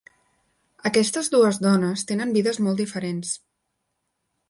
Aquestes dues dones tenen vides molt diferents.